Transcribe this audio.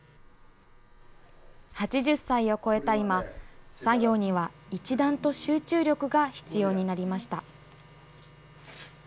８０歳を超えた今、作業には一段と集中力が必要になりました。